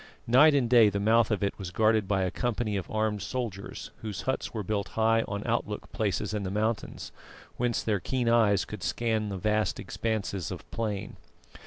Night and day the mouth of it was guarded by a company of armed soldiers, whose huts were built high on outlook places in the mountains, whence their keen eyes could scan the vast expanses of plain.